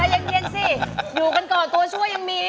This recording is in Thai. อยู่กันก่อนตัวช่วยยังมี